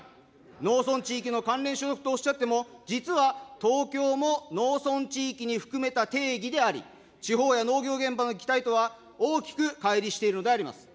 農村地域の関連所得とおっしゃっても、実は東京も農村地域に含めた定義であり、地方や農業現場の期待とは大きくかい離しているのであります。